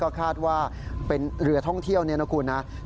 ก็คาดว่าเป็นเรือท่องเที่ยวนะครับคุณนะครับ